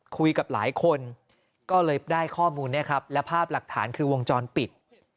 คุยกับหลายคนก็เลยได้ข้อมูลเนี่ยครับและภาพหลักฐานคือวงจรปิด